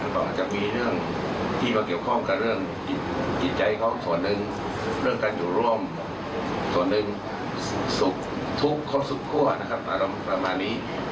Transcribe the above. ก็อาจจะมีเรื่องที่ว่าเกี่ยวข้องกับเรื่องจิตใจเขาส่วนหนึ่งเรื่องการอยู่ร่วมส่วนหนึ่งสุขทุกข์ครบสุขทั่วนะครับอะไรประมาณนี้